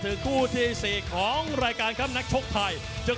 คุณผู้ชมชัมเปียน